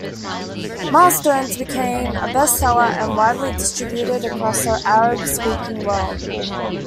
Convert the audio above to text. "Milestones" became a bestseller and widely distributed across the Arab speaking world.